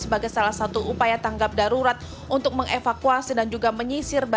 sebagai salah satu upaya tanggap darurat untuk mengevakuasi dan juga menyisir